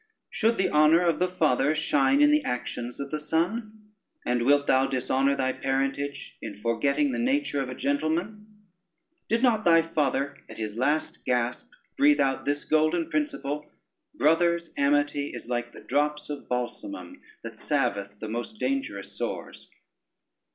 Should the honor of the father shine in the actions of the son, and wilt thou dishonor thy parentage, in forgetting the nature of a gentleman? Did not thy father at his last gasp breathe out this golden principle, 'Brothers' amity is like the drops of balsamum, that salveth the most dangerous sores?'